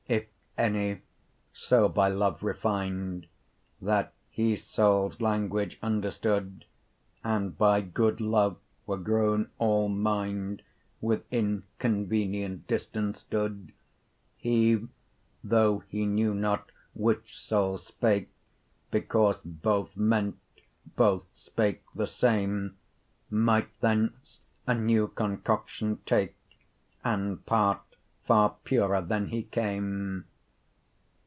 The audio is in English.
20 If any, so by love refin'd, That he soules language understood, And by good love were growen all minde, Within convenient distance stood, He (though he knew not which soule spake, 25 Because both meant, both spake the same) Might thence a new concoction take, And part farre purer then he came.